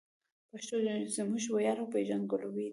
پښتو زموږ ویاړ او پېژندګلوي ده.